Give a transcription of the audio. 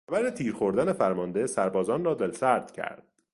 خبر تیر خوردن فرمانده سربازان را دلسرد کرد.